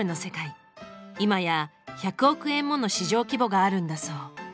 今や１００億円もの市場規模があるんだそう。